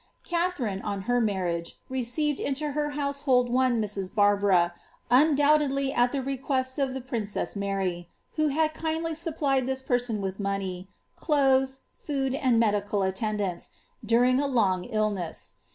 Kaihariaei on her marriage, received into her household one Mrs. Barbara, undoabl edly at the request of the princess Mar\% who had kindly supplied ihii person with money, clothes, food, and medical attendance, durinir a loog illnes«i.